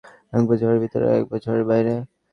একবার ঝড়ের ভিতরে আর একবার ঝড়ের বাইরে।